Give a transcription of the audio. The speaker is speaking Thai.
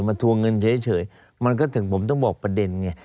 ทวงเงินเฉยมันก็ถึงผมต้องบอกประเด็นไง